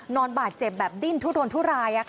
นอนบาดเจ็บแบบดิ้นทุดนทุราย